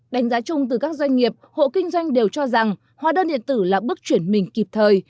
đánh giá chung từ các doanh nghiệp hộ kinh doanh đều cho rằng hóa đơn điện tử là bước chuyển mình kịp thời